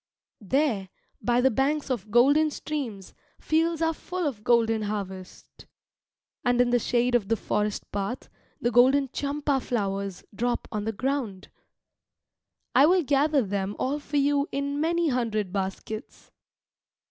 There, by the banks of golden streams, fields are full of golden harvest. And in the shade of the forest path the golden champa flowers drop on the ground. I will gather them all for you in many hundred baskets.